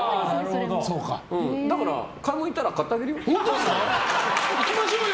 だから、買い物行ったら買ってあげるよ？